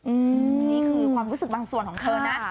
อืมนี่คือความรู้สึกบางส่วนของเธอนะ